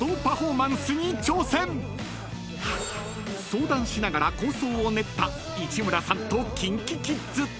［相談しながら構想を練った市村さんとＫｉｎＫｉＫｉｄｓ］